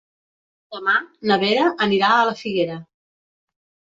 Demà na Vera anirà a la Figuera.